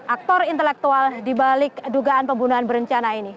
aktor intelektual dibalik dugaan pembunuhan berencana ini